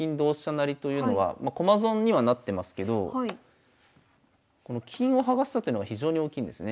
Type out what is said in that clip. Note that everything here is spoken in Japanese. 成というのはま駒損にはなってますけどこの金を剥がしたというのが非常に大きいんですね。